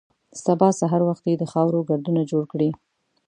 سبا سهار وختي د خاورو ګردونه جوړ کړي.